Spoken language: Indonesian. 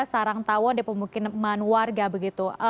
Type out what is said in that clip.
sarang tawon di pemukiman warga begitu